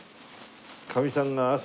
かみさんが朝。